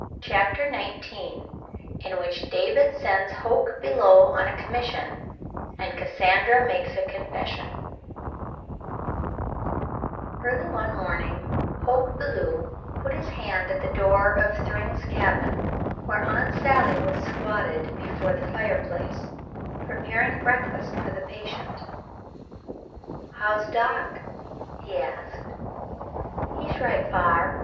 CHAPTER XIX IN WHICH DAVID SENDS HOKE BELEW ON A COMMISSION, AND CASSANDRA MAKES A CONFESSION Early one morning Hoke Belew put his head in at the door of Thryng's cabin, where Aunt Sally was squatted before the fireplace, preparing breakfast for the patient. *' How's doc ?" he asked. "He's right fa'r.